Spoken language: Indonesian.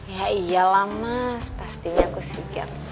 ya iyalah mas pastinya aku sikat